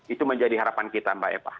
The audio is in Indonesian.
itu menjadi harapan kita mbak eva